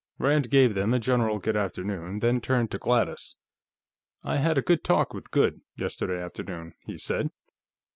Rand gave them a general good afternoon, then turned to Gladys. "I had a talk with Goode, yesterday afternoon," he said.